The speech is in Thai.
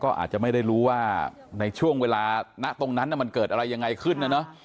ก็อาจจะไม่ได้รู้ว่าในช่วงเวลาณตรงนั้นมันเกิดอะไรยังไงขึ้นนะเนอะ